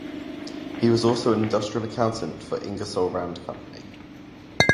He also was an industrial accountant for Ingersoll-Rand Company.